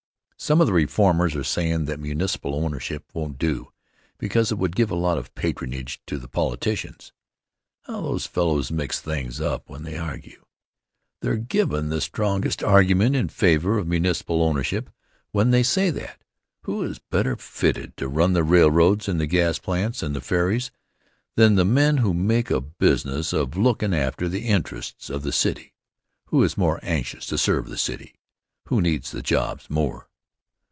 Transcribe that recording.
Some of the reformers are sayin' that municipal ownership won't do because it would give a lot of patronage to the politicians. How those fellows mix things up when they argue! They're givin' the strongest argument in favor of municipal ownership when they say that. Who is better fitted to run the railroads and the gas plants and the ferries than the men who make a business of lookin' after the interests of the city? Who is more anxious to serve the city? Who needs the jobs more?